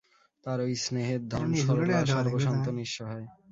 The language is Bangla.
তাঁরই স্নেহের ধন সরলা সর্বস্বান্ত নিঃসহায়।